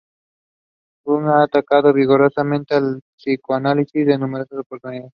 Bunge ha atacado vigorosamente al psicoanálisis en numerosas oportunidades.